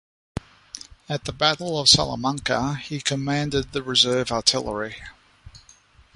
At the Battle of Salamanca he commanded the reserve artillery.